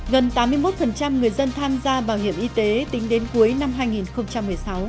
gần tám mươi một người dân tham gia bảo hiểm y tế tính đến cuối năm hai nghìn một mươi sáu